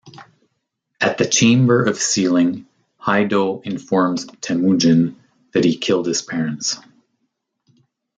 At the Chamber of Sealing, Haido informs Temujin that he killed his parents.